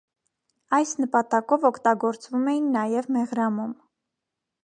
Այս նպատակով օգտագործվում էին նաև մեղրամոմ։